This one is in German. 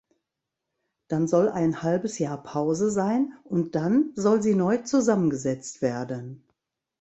Dann soll ein halbes Jahr Pause sein, und dann soll sie neu zusammengesetzt werden.